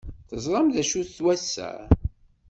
Teẓram d acu-t wass-a?